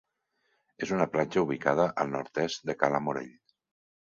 És una platja ubicada al nord-est de Cala Morell.